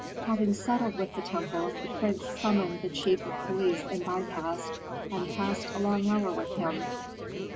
Having settled with the temple, the prince summoned the chief of police in Pi Bast and passed a long hour with him.